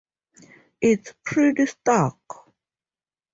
It's pretty stark.